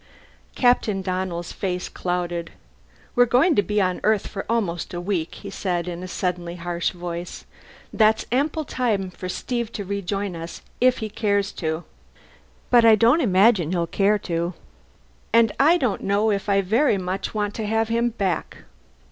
Captain Donnell's face clouded. "We're going to be on Earth for almost a week," he said in a suddenly harsh voice. "That's ample time for Steve to rejoin us, if he cares to. But I don't imagine he'll care to. And I don't know if I want very much to have him back."